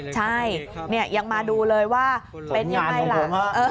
ใช่ยังมาดูเลยว่าเป็นยังไงล่ะ